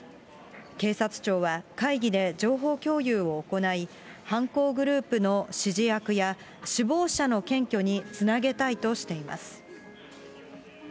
警察庁は会議で情報共有を行い、犯行グループの指示役や、首謀者の検挙につなげたいとしています。